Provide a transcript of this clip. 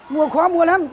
mua khó mua lắm